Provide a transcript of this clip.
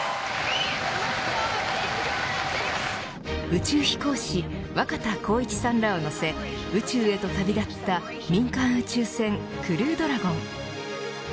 宇宙飛行士若田光一さんらを乗せ宇宙へと旅立った民間宇宙船クルードラゴン。